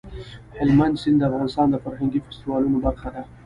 هلمند سیند د افغانستان د فرهنګي فستیوالونو برخه ده.